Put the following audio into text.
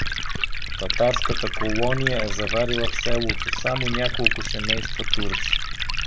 Татарската колония е заварила в селото само няколко семейства турци.